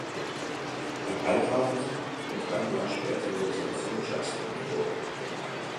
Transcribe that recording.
Er heiratete, und ein Jahr später wurde sein Sohn Justin geboren.